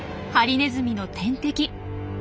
ハリネズミの天敵。